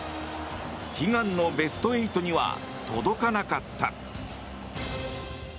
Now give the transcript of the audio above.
悲願のベスト８には届かなかった。